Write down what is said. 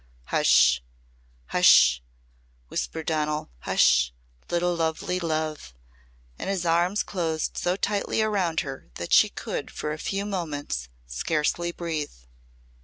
"Hush sh! Hush sh!" whispered Donal. "Hush sh! little lovely love!" And his arms closed so tightly around her that she could for a few moments scarcely breathe.